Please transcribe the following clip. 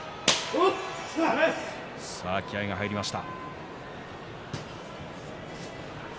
気合いが入りました。